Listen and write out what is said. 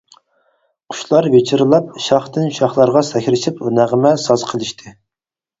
قۇشلار ۋىچىرلاپ، شاختىن-شاخلارغا سەكرىشىپ نەغمە، ساز قىلىشتى.